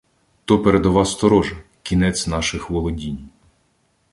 То передова сторожа — кінець наших "володінь".